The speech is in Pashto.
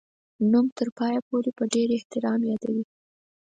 نوم تر پایه پوري په ډېر احترام یادوي.